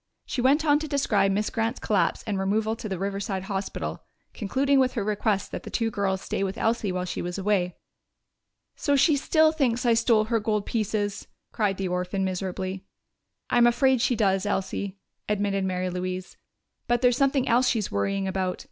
She went on to describe Miss Grant's collapse and removal to the Riverside Hospital, concluding with her request that the two girls stay with Elsie while she was away. "So she still thinks I stole her gold pieces!" cried the orphan miserably. "I'm afraid she does, Elsie," admitted Mary Louise. "But there's something else she's worrying about.